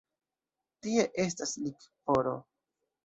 Tie estas likvoro.